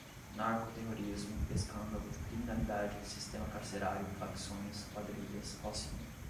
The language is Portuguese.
narcoterrorismo, escândalo, criminalidade, sistema carcerário, facções, quadrilhas, rocinha